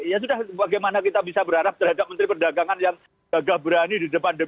ya sudah bagaimana kita bisa berharap terhadap menteri perdagangan yang gagah berani di depan dpr